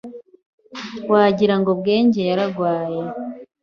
Wagira ngo Bwenge yararwaye